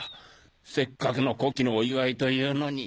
せっかくの古希のお祝いというのに。